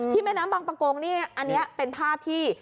แม่น้ำบางประกงนี่อันนี้เป็นภาพที่